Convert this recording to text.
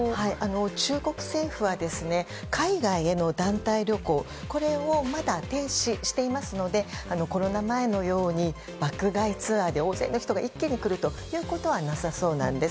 中国政府は海外への団体旅行これをまだ停止していますのでコロナ前のように爆買いツアーで大勢の人が一気に来ることはなさそうなんです。